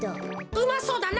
うまそうだな。